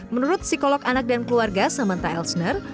menurut psikolog anak dan keluarga samanta elsner